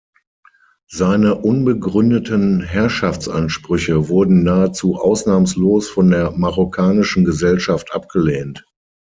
Seine unbegründeten Herrschaftsansprüche wurden nahezu ausnahmslos von der marokkanischen Gesellschaft abgelehnt.